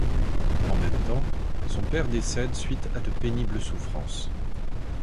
En même temps, son père décède suite à de pénibles souffrances...